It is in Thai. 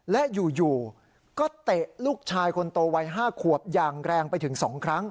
และอยู่ก็เตะลูกชายคนโตวัย๕ขวบอย่างแรงไปถึง๒ครั้ง